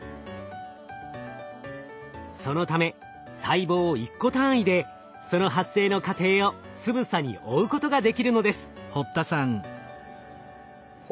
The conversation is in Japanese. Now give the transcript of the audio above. そのため細胞を１個単位でその発生の過程をつぶさに追うことができるのです。